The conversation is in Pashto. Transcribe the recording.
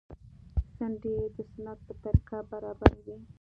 څنډې يې د سنت په طريقه برابرې وې.